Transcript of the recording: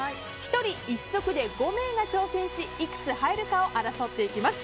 １人１足で５名が挑戦しいくつ入るかを争っていきます。